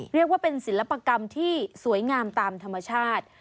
เรียกว่าเป็นศิลปกรรมที่สวยงามตามธรรมชาติ